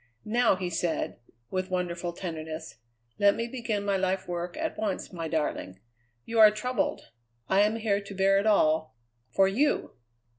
"Now," he said, with wonderful tenderness, "let me begin my life work at once, my darling. You are troubled; I am here to bear it all for you!"